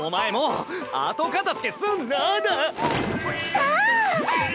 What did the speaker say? さあ！